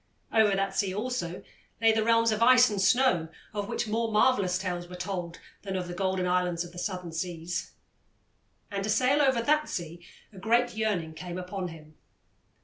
Over that sea, also, lay the realms of ice and snow, of which more marvellous tales were told than of the golden islands of the Southern Seas. And to sail over that sea a great yearning came upon him.